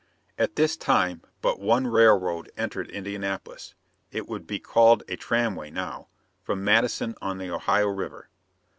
At this time but one railroad entered Indianapolis it would be called a tramway now from Madison on the Ohio River.